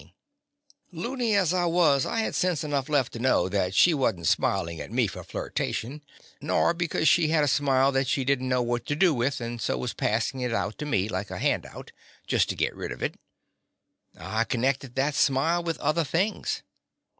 The Confessions of a Daddy Loony as I was, I had sense enough left to know that she was n't smilin' at me for flirtation, nor because she had a smile that she did n't know what to do with and so was passing it out to me, like a hand out, just to git rid of it. I connected that smile with other things.